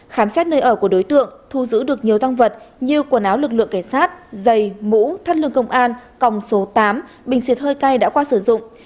khám xét nơi ở của đối tượng thu giữ được nhiều tăng vật như quần áo lực lượng cảnh sát giày mũ thắt lưng công an còng số tám bình xịt hơi cay đã qua sử dụng